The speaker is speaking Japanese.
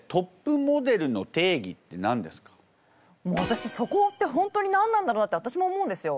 私そこって本当に何なんだろうなって私も思うんですよ。